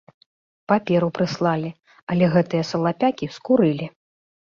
Паперу прыслалі, але гэтыя салапякі скурылі.